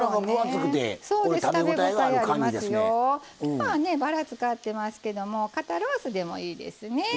今はねバラ使ってますけども肩ロースでもいいですね。